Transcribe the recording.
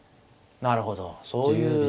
なるほどそういう。